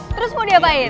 terus mau diapain